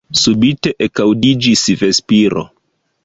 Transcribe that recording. Subite ekaŭdiĝis vespiro.